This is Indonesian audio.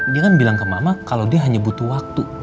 dia kan bilang ke mama kalau dia hanya butuh waktu